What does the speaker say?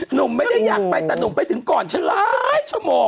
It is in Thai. หนุ่มไม่ได้อยากไปแต่หนุ่มไปถึงก่อนฉันหลายชั่วโมง